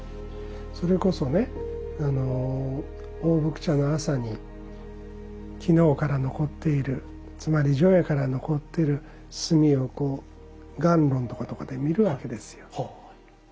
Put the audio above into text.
それこそね大福茶の朝に昨日から残っているつまり除夜から残ってる炭をこう暖炉のとことかで見るわけですよ。